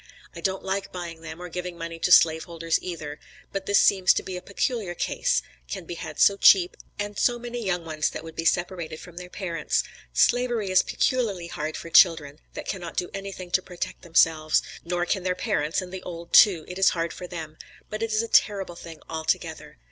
I don't like buying them, or giving money to slave holders either; but this seems to be a peculiar case, can be had so cheap, and so many young ones that would be separated from their parents; slavery is peculiarly hard for children, that cannot do anything to protect themselves, nor can their parents, and the old too, it is hard for them; but it is a terrible thing altogether.